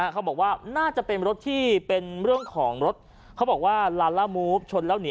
เขาบอกว่าน่าจะเป็นรถที่เป็นเรื่องของรถเขาบอกว่าลาล่ามูฟชนแล้วหนี